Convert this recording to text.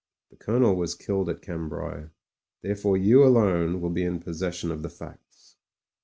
The Colonel was killed at Cambrai ; therefore you alone will be in possession of the facts.